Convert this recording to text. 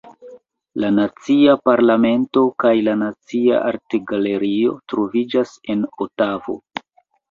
La Nacia Parlamento kaj la Nacia Artgalerio troviĝas en Otavo.